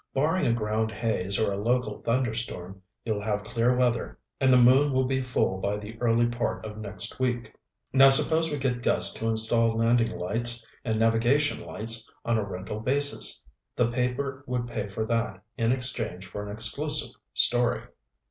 Barring a ground haze or a local thunderstorm, you'll have clear weather, and the moon will be full by the early part of next week. Now suppose we get Gus to install landing lights and navigation lights on a rental basis? The paper would pay for that in exchange for an exclusive story."